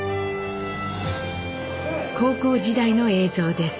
高校時代の映像です。